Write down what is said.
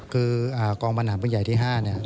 คือกองบรรณาเป็นใหญ่ที่๕เนี่ย